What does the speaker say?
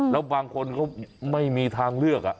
แล้วบางคนก็ไม่มีทางเลือก